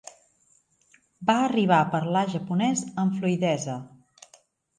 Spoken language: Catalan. Va arribar a parlar japonès amb fluïdesa.